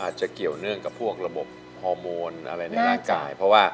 อาจจะเกี่ยวเรื่องพวกระบบฮอร์โมนอะไรในร่างกาย